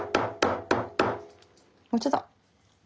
もうちょっと。